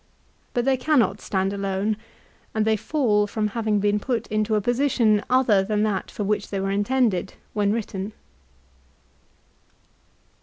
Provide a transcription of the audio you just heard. But they cannot stand alone, and they fall from having been put into a position other than that for which they were intended when written.